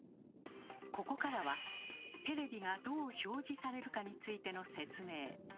ここからはテレビがどう「表示」されるかについての説明。